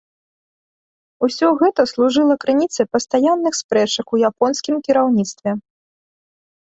Усё гэта служыла крыніцай пастаянных спрэчак у японскім кіраўніцтве.